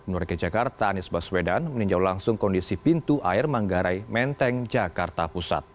menurut ke jakarta anies baswedan meninjau langsung kondisi pintu air manggarai menteng jakarta pusat